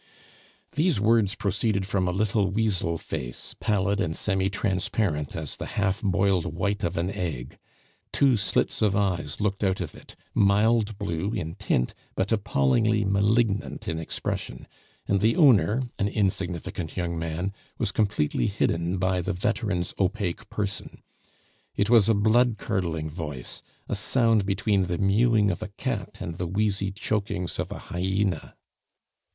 These words proceeded from a little weasel face, pallid and semi transparent as the half boiled white of an egg; two slits of eyes looked out of it, mild blue in tint, but appallingly malignant in expression; and the owner, an insignificant young man, was completely hidden by the veteran's opaque person. It was a blood curdling voice, a sound between the mewing of a cat and the wheezy chokings of a hyena.